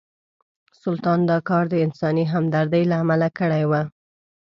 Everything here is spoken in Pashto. سلطان دا کار د انساني همدردۍ له امله کړی و.